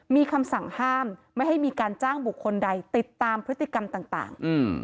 มีคำสั่งห้ามไม่ให้มีการจ้างบุคคลใดติดตามพฤติกรรมต่าง